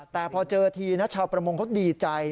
แต่พอเจอทีนะชาวประมงเขาดีใจ